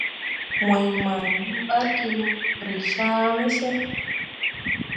Wãy ma yuu argi no ree ca wese.